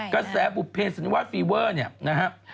กระแสปุเปรย์สันวาดฟีเวอร์เนี่ยนะครับ